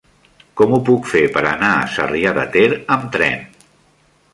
Com ho puc fer per anar a Sarrià de Ter amb tren?